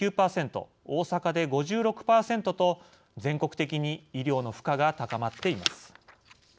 大阪で５６％と全国的に医療の負荷が高まっています。